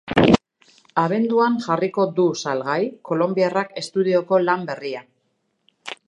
Abenduan jarriko du salgai kolonbiarrak estudioko lan berria.